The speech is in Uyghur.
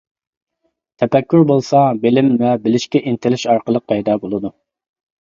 تەپەككۇر بولسا بىلىم ۋە بىلىشكە ئىنتىلىش ئارقىلىق پەيدا بولىدۇ.